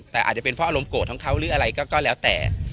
แต่อาจจะเป็นเพราะอารมณ์โกรธของเขาหรืออะไรก็แล้วแต่